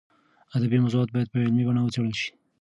ادبي موضوعات باید په علمي بڼه وڅېړل شي.